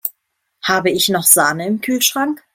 Habe ich noch Sahne im Kühlschrank?